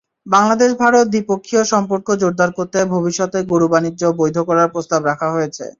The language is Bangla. বাংলাদেশ-ভারত দ্বিপক্ষীয় সম্পর্ক জোরদার করতে ভবিষ্যতে গরু-বাণিজ্য বৈধ করার প্রস্তাব রাখা হয়েছে।